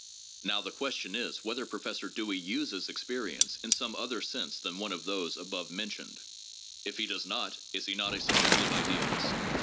Now, the question is whether Professor Dewey uses experience in some other sense than one of those above mentioned. If he does not, is he not a subjective idealist?